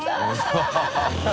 ハハハ